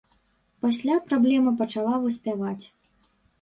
Пасля праблема пачала выспяваць.